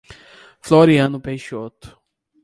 Floriano Peixoto